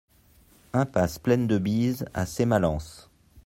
Impasse Plaine de Bise à Sémalens